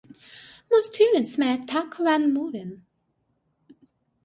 Most units may attack when moving.